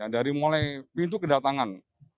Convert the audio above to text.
dari mulai pintu kedatangan